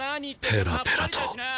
ペラペラと。